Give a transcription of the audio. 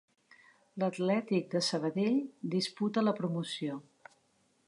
L'Atlètic de Sabadell disputa la promoció.